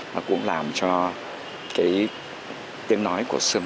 nó cũng làm cho cái tiếng nói của người việt